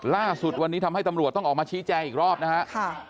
ล่าสุดวันนี้ทำให้ตำรวจต้องออกมาชี้แจงอีกรอบนะฮะ